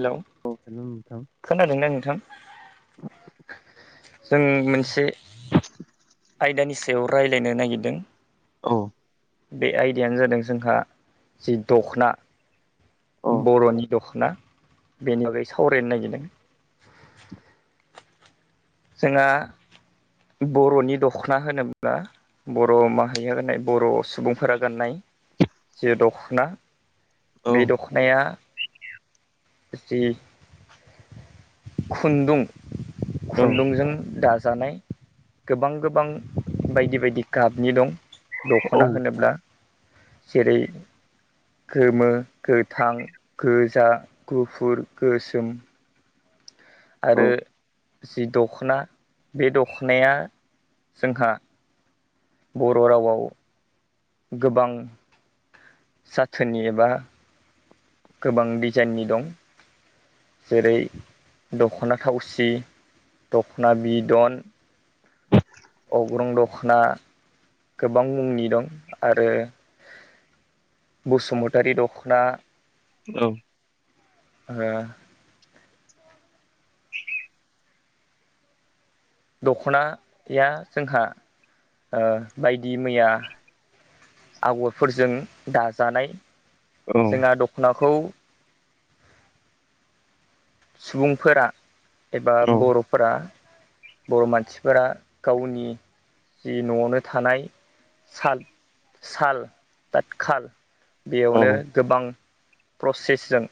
Hello औ hello नोंथां खोनादोंना नोंथां। जों मोनसे आयदानि सायाव रायलायनो नागिरदों। औ। बे आयदायानो जादों जोंहा जि दख'ना औ बर'नि दखना बेनि बागै सावरायनो नागिरदों। जोंहा बर'नि दखना होनोब्ला बर' माहारिया गाननाय बर' सुबुंफोरा गाननाय जि दख'ना औ बे दख'नाया जि खुन्दुं औ खुन्दुंजों दाजानाय गोबां गोबां बायदि बायदि गाबनि दं दखना होनोब्ला जेरै गोमो गोथां गोजा गुफुर गोसोम औ आरो जि दखना बे दखनाया जोंहा बर' रावआव गोबां जाथोनि एबा गोबां डिजाइननि दं। जेरै दख'ना थावसि दख'ना बिदन अग्रं दख'ना गोबां मुंनि दं आरो। बसुमतारी दख'ना औ। ओ। दख'नाया जोंहा ओ बायदि मैया आगरफोरजों दाजानाय औ जोंहा दख'नाखौ सुबुंफोरा एबा बर'फोरा बर' मानसिफोरा गावनि जि न'आवनो थानाय साल साल तातखाल बेयावनो गोबां प्रसेसजों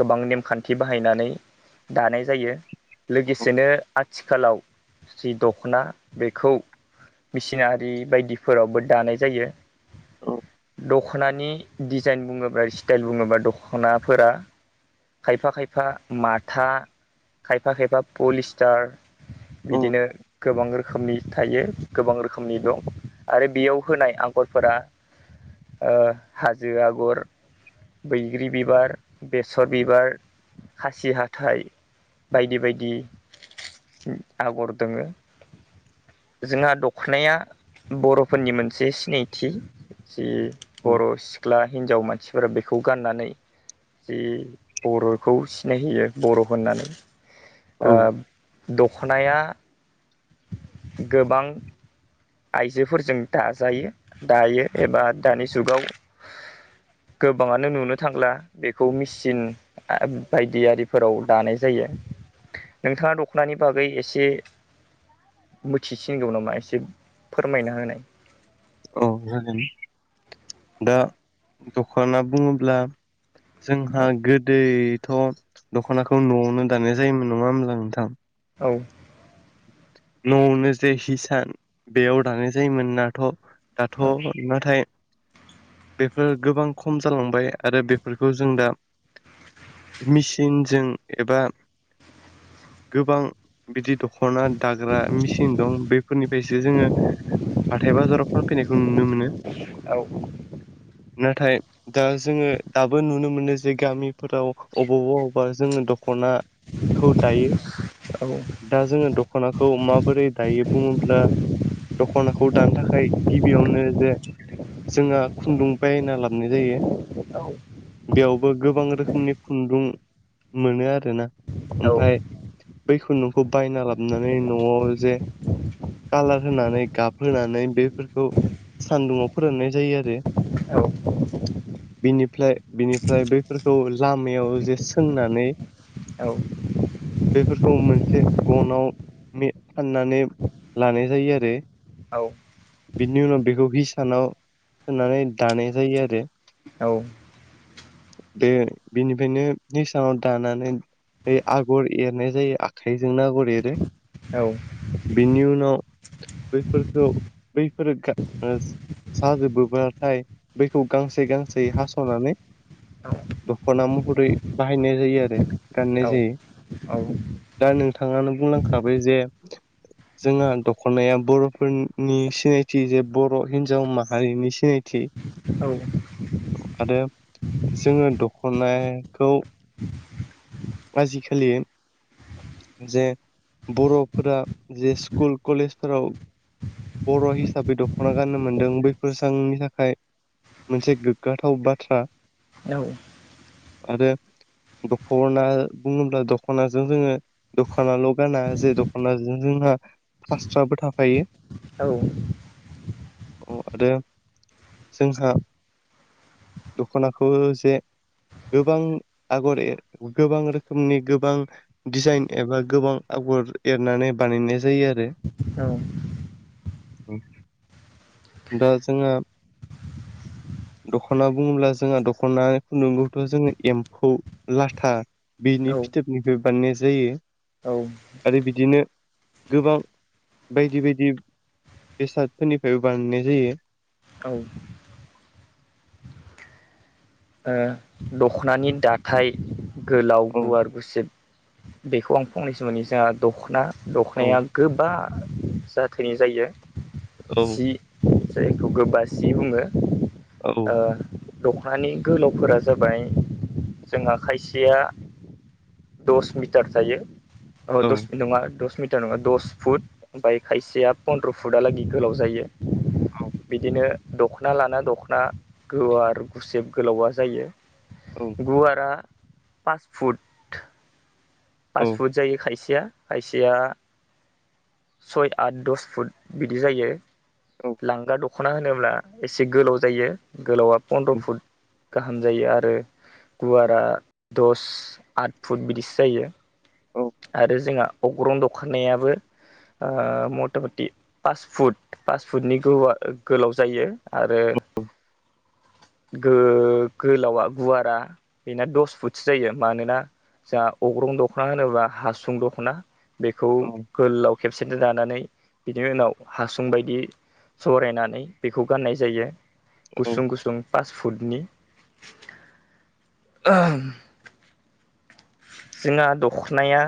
गोबां नेमखान्थि बाहायनानै दानाय जायो। लोगोसेनो आथिखालाव जि दख'ना बेखौ मिसिनारि बायदिफोरावबो दानाय जायो। दख'नानि डिजाइन बुङोब्ला स्टाइल बुङोब्ला दख'नाफोरा खायफा खायफा माथा खायफा खायफा पलिस्टार औ बिदिनो गोबां रोखोमनि थायो गोबां रोखोमनि दं आरो बेयाव होनाय आ गरफोरा ओ हाजो आगर बैग्रि बिबार बेस सर बिबार खासि हाथाइ बायदि बायदि आगर दोङो जोंहा दख'नाया बर'फोरनि मोन से सिनायथि जि बर' सिख्ला हिनजाव मानसिफोरा बेखौ गाननानै जि बर'खौ सिनायहोयो बर' होननानै औ ओ दख'नाया [inaudible] गोबां आइजोफोरजों दाजायो दायो एबा दानि जुगाव [inaudible] गोबाङानो नुनो थांला बेखौ मेचिन आ बायदि आरिफोराव दानाय जायो। नोंथाङा दख'नानि बागै एसे मिथिसिनगौ नामा एसे फोरमायना होनाय औ जागोन दा दखाना बुङोब्ला जोंहा गोदैथ' दख'नाखौ न'आवनो दानाय जायोमोन नङा होमब्ला नोंथां औ न'आवनो जे हिसान बेयाव दानाय जायोमोननाथ' दाथ' नाथाय बेफोर गोबां खम जालांबाय आरो बेफोरखौ जों दा मिचिनजों एबा गोबां बिदि दख' दाग्रा मिसिन दं बेफोरनिफायसो जोङो हाथाय बाजाराव फानफैनायखौ नुनो मोनो औ नाथाय दा जोङो दाबो नुनो मोनो जे गामिफोराव अबावबा अबावबा जोङो दख खना खौ दायो दा जोङो दख ख'नाखौ माबोरै दायो बुङोब्ला दख'नाखौ दानो थाखाय गिबियावनो जे जोङा खुन्दुं बायना लाबनाय जायो औ बेयावबो गोबां रोखोमनि खुन्दुं मोनो आरोना औ ओमफाय बै खुन्दुंखौ बायना लाबनानै न'आव जे कालार होनानै गाबहोनानै बेफोरखौ सान्दुङाव फोराननाय जायो आरो [inaudible] बिनिफ्राय बिनिफ्राय बैफोरखौ लामायाव जे सोंनानै औ बेफोरखौ मोनसे गनाव मे फाननानै लानाय जायो आरो आव बिनि उनाव बेखौ हिसानाव सोनानै दानाय जायो आरो औ बे बिनिफायनो निसानाव दानानै ए आगर एरनाय जायो आखाइजोंनो आगर एरो औ नौ बैफोरखौ बैफोरो गा नो स जाजोबोबाथाय बैखौ गांसे गांसे हास'नानै दख'ना महरै बाहायनाय जायो आरो गाननाय जायो दा नोंथाङानो बुंलांखाबाय जे जोंहा दख'नाया बर'फोरनि सिनायथि जे बर' हिनजाव माहारिनि सिनायथि औ आरो जोङो दख'नाखौ आजिखालि जे बर'फोरा जे स्कुल कलेजफोराव बर' हिसाबै दख'ना गाननो मोनदों बैफोर जांनि थाखाय मोनसे गोग्गाथाव बाथ्रा औ आरो दख'ना बुङोब्ला दख'नाजों जोङो दखनाल' गाना जे दख'नाजों जोंहा फास्राबो थाफायो औ अ आरो जोंहा दख'नाखौ जे गोबां आगर एर गोबां रोखोमनि गोबां दिजाइन एबा गोबां आगर एरनानै बानायनाय जायो आरो औ दा जोंहा दख'ना बुङोब्ला जोंहा दख'ना खुन्दुंगौथ' जोङो एम्फौ लाथा बिनि फिथोबनिफ्राय बानायनाय जायो। औ आरो बिदिनो गोबां बायदि बायदि बेसादफोरनिफ्रायबो बानायनाय जायो। औ औ औ दख'नानि दाथाय गोलाव औ गुवार गुसेब बेखौ आं फंनैसो मोनोनि जोंहा दख'ना औ दखनाया गोबा जाथोनि जायो। औ सि जायखौ गोबासि बुङो दख'नानि गोलावफोरा जाबाय जोंहा खायसेया दस मिटार थायो। औ दस मिनिट नङा दस मिट टार नङा दस फुट ओमफ्राय खायसेया पन्द्र' फुटालागै गोलाव जायो। बिदिनो दख'ना लाना दख'ना गुवार गुसेब गोलावा जायो। औ गुवारा पास फुट औ पास फुट जायो खायसेया खायसेया सय आठ दस फुट बिदि जायो औ लांगा दख दख'ना होनोब्ला एसे गोलाव जायो गोलावा पन्द्र' फुट गाहाम जायो आरो गुवारा दस आट फुट बिदिसो जायो। औ आरो जोंहा अग्रं दखनायाबो मथा मथि पास फुट पास फुटनि गोलाव जायो आरो। [inaudible] [unintelligible] गोलावा गुवारा बेना दस फुटसो जायो मानोना जा अग्रं दख'ना होनोब्ला हासुं दख'ना बेखौ औ गोलाव खेबसेनो दानानै बिनि उनाव हासुं बायदि सरायनानै बेखौ गाननाय जायो। गुसुं गुसुं पास फुडनि। जोंहा दख'नाया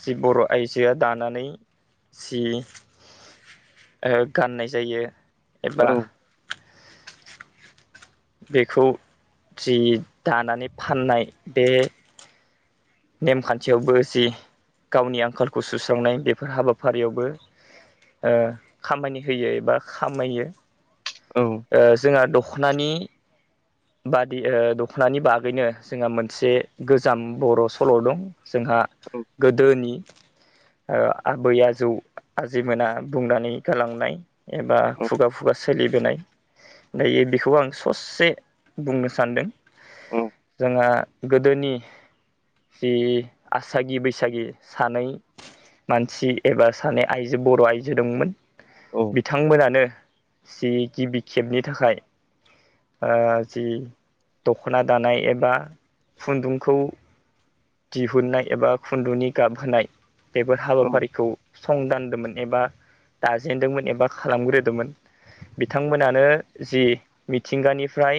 जि बर' आइजोआ दानानै जि गाननाय जायो एबा बेखौ जि दानानै फाननाय बे नेमखान्थियावबो जि गावनि आंखालखौ सुस्रांनाय बेफोर हाबाफारियावबो खामानि होयो एबा खामायो। औ जोंहा द'खनानि बादि दख'नानि बागैनो जोंहा मोनसे गोजाम बर' सल' दं। जोंहा गोदोनि आबै आजौ आजैमोना बुंनानै गालांनाय एबा खुगा खुगा सोलिबोनाय दायो बेखौ आं ससे बुंनो सानदों जोंहा गोदोनि जि आसागि बैसागि सानै मानसि एबा सानै आइजो बर' आइजो दंमोन। बिथांमोनानो जि गिबि खेबनि थाखाय जि दख'ना दानाय एबा खुन्दुंखौ दिहुननाय एबा खुन्दुंनि गाबहोनाय बेफोर हाबाफारिखौ संदानदोंमोन। एबा दाजेेनदोंमोन एबा खालामग्रोदोंमोन। बिथांमोनानो जि मिथिंगानिफ्राय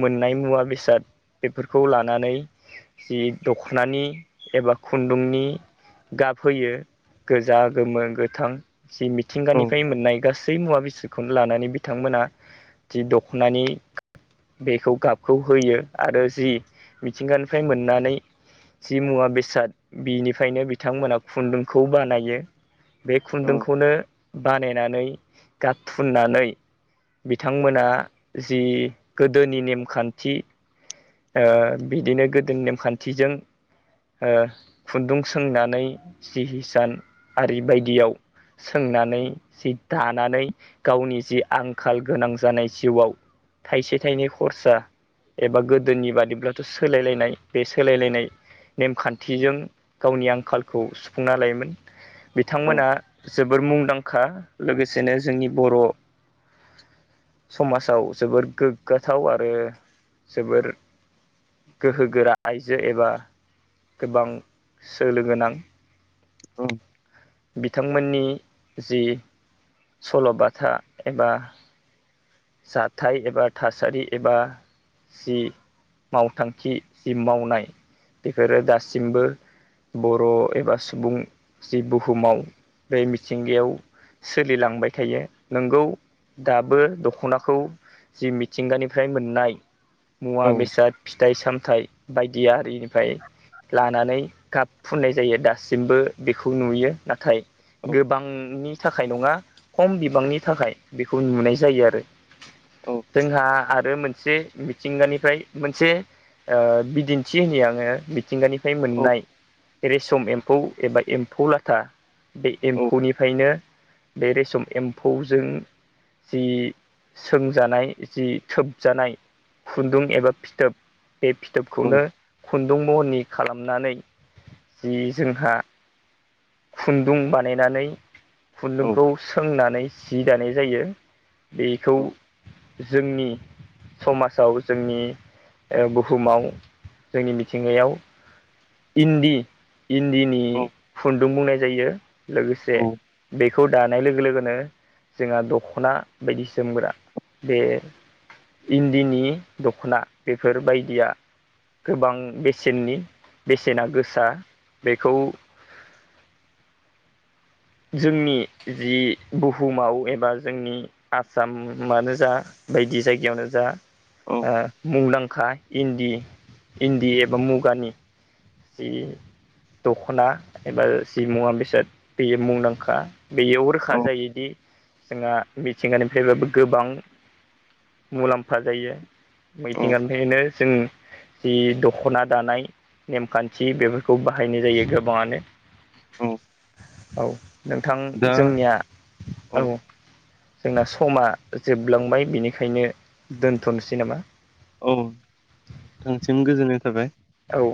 मोननाय मुवा बेसाद बेफोरखौ लानानै जि दख'नानि एबा खुन्दुंनि गाबहोयो गोजा गोमो गोथां। जि मिथिंगानिफ्राय मोननाय गासै मुवा बेसाद खौनो लानानै बिथांमोना जि दख'नानि बेखौ गाबखौ होयो आरो जि मिथिंगानिफ्राय मोननानै जि मुवा बेसाद बिनिफ्रायनो बिथांमोना खुन्दुंखौ बानायो बे औ खुन्दुंखौनो बानायनानै गाबथुननानै बिथांमोना जि गोदोनि नेमखान्थि बिदिनो गोदोनि नेमखान्थिजों खुन्दुं सोंनानै जि हिसान आरि बायदियाव सोंनानै जि दानानै गावनि जि आंखाल गोनां जानाय जिउआव थाइसे थाइनै खरसा एबा गोदोनि बादिब्लाथ' सोलायलायनाय बे सोलायलायनाय नेमखान्थिजों गावनि आंखालखौ सुफुंना लायोमोन। औ बिथांमोना जोबोर मुंदांखा लोगोसेनो जोंनि बर' समास आव जोबोर गोग्गाथाव आरो जोबोर गोहोगोरा आइजो एबा गोबां सोलो गोनां। औ बिथांमोननि जि सल'बाथा एबा जाथाय एबा थासारि एबा सि मावथांखि जि मावनाय बेफोरो दासिमबो बर' एबा सुबुं जि बुहुमाव बे मिथिंगायाव सोलिलांबाय थायो नोंगौ दाबो दख दख'नाखौ जि मिथिंगानिफ्राय मोननाय मुवा बेसाद फिथाइ सामथा नाथाय बायदि आरिनिफ्राय लानानै गाब फुननाय जायो। दासिमबो बेखौ नुयो नाथाय गोबांनि थाखाय नङा खम बिबांनि थाखाय बेखौ नुनाय जायो आरो। जोंहा आरो आरो मोनसे मिथिंगानिफ्राय मोनसे बिदिन्थि होननि आङो मिथिंगानिफ्राय मोननाय रेसम एम्फौ एबा एम्फौ लाथा बे एम्फौनिफ्रायनो बे रेसम एम्फौजों जि सोंजानाय जि थोबजानाय खुन्दुं एबा फिथोब बे फिथोबखौनो खुन्दुं महनि खालामनानै जि जोंहा खुन्दुं बानायनानै खुन्दुंखौ सोंनानै जि दानाय जायो बेखौ जोंनि समाजाव जोंनि बुहुमाव जोंनि मिथिंगायाव इन्दि इन्दिनि खुन्दुं बुंनाय जायो लोगोसे बेखौ दानाय लोगो लोगोनो जोंहा दख'ना बायदि सोमग्रा दे इन्दिनि दख'ना बेफोरबायदिया गोबां बेसेननि बेसेना गोसा बेखौ [inaudible] जोंनि जि बुहुमाव एबा जोंनि आसामानो जा बायदि जायगायावनो जा मुंदांखा मुखा इन्दि इन्दि एबा मुगानि जि दखना एबा जि मुवा बेसाद बेयो मुंदांखा बेयाव रोखा जायोदि जोंहा मिथिंगानिफ्रायबो गोबां मुलाम्फा जायो मिथिंगानिफ्रायनो जों जि दख'ना दानाय नेमखान्थि बेफोरखौ बाहायनाय जायो गोबाङानो औ नोंथां दा जोंनिया औ जोंना समा जोबलांबाय बिनिखायनो दोन्थ'नोसै नामा औ नोंथांसिम गोजोननाय थाबाय औ